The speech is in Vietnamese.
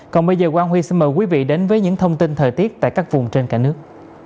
còn bây giờ quang huy xin mời quý vị đến với những thông tin thời tiết tại các vùng trên cả nước